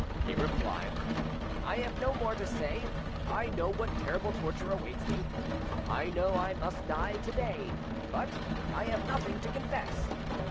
He replied: "I have no more to say. I know what terrible torture awaits me, I know I must die to day, but I have nothing to confess."